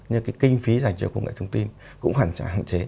nhưng cái kinh phí dành cho công nghệ hướng tin cũng hoàn chẳng hạn chế